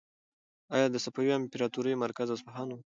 ایا د صفوي امپراطورۍ مرکز اصفهان و؟